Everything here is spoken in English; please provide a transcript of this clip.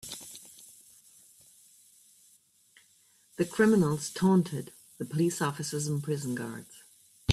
The criminals taunted the police officers and prison guards.